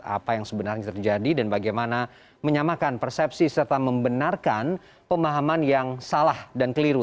apa yang sebenarnya terjadi dan bagaimana menyamakan persepsi serta membenarkan pemahaman yang salah dan keliru